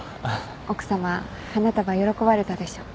奥さま花束喜ばれたでしょ？